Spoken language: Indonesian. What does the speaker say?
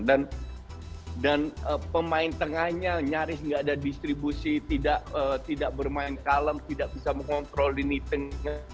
dan pemain tengahnya nyaris tidak ada distribusi tidak bermain kalem tidak bisa mengontrol lini tengah